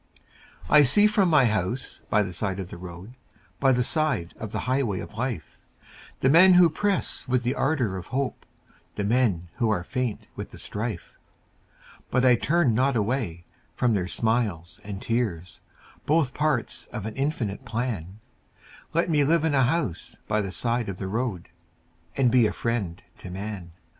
I see from my house by the side of the road By the side of the highway of life, The men who press with the ardor of hope, The men who are faint with the strife, But I turn not away from their smiles and tears, Both parts of an infinite plan Let me live in a house by the side of the road And be a friend to man.